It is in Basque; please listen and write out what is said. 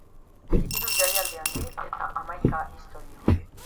Hiru jaialdi handi eta hamaika istorio.